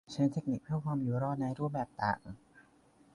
ใช้เทคนิคเพื่อความอยู่รอดในรูปแบบต่าง